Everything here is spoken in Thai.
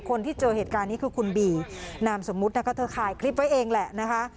คนที่เจอเหตุการณ์นี้คือคุณบีนามสมมุตินะคะเธอถ่ายคลิปไว้เองแหละนะคะ